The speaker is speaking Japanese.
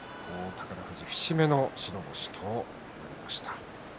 宝富士、節目の白星となりました。